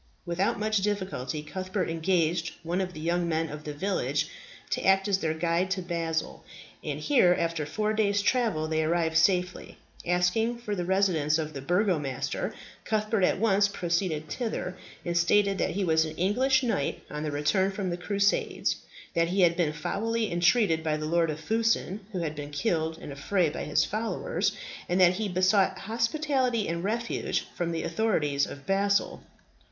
Without much difficulty Cuthbert engaged one of the young men of the village to act as their guide to Basle, and here, after four days' travelling, they arrived safely. Asking for the residence of the Burgomaster, Cuthbert at once proceeded thither, and stated that he was an English knight on the return from the Crusades; that he had been foully entreated by the Lord of Fussen, who had been killed in a fray by his followers; and that he besought hospitality and refuge from the authorities of Basle.